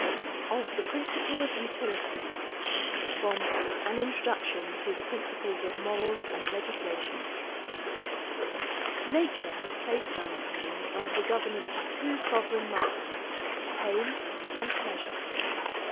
OF THE PRINCIPLE OF UTILITY From 'An Introduction to the Principles of Morals and Legislation' Nature has placed mankind under the governance of two sovereign masters, pain and pleasure.